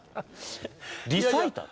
リサイタル？